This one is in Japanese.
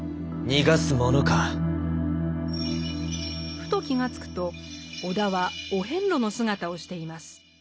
ふと気が付くと尾田はお遍路の姿をしています。